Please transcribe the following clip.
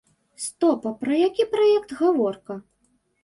Стоп, а пра які праект гаворка?